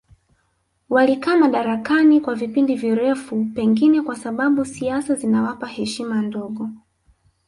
Walikaa madarakani kwa vipindi vifupi pengine kwa sababu siasa zinawapa heshima ndogo